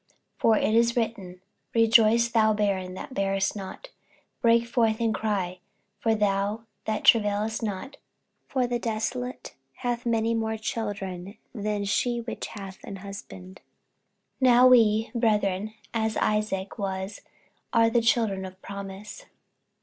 48:004:027 For it is written, Rejoice, thou barren that bearest not; break forth and cry, thou that travailest not: for the desolate hath many more children than she which hath an husband. 48:004:028 Now we, brethren, as Isaac was, are the children of promise.